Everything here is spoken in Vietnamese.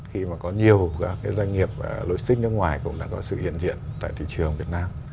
khi mà có nhiều các cái doanh nghiệp logistics nước ngoài cũng đã có sự hiện diện tại thị trường việt nam